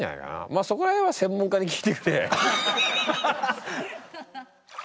まあそこら辺は専門家に聞いてくれ。